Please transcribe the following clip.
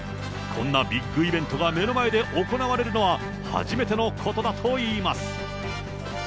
こんなビッグイベントが目の前で行われるのは初めてのことだといいます。